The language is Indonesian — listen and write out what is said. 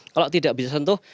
kalau tidak bisa sentuh